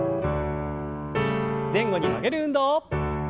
前後に曲げる運動。